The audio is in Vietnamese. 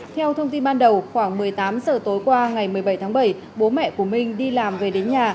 theo thông tin ban đầu khoảng một mươi tám giờ tối qua ngày một mươi bảy tháng bảy bố mẹ của minh đi làm về đến nhà